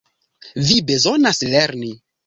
Vi bezonas lerni.